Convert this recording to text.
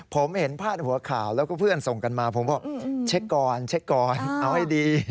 ผมเห็นพาดหัวข่าวแล้วก็เพื่อนส่งกันมาผมก็เช็คก่อนเช็คก่อนเอาให้ดี